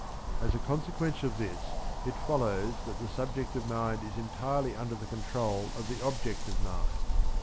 As a consequence of this it follows that the subjective mind is entirely under the control of the objective mind.